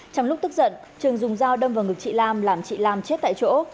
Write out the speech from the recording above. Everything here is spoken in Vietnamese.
trong lúc tức giận trường dùng dao đâm vào ngực chị lam làm chị lam chết tại chỗ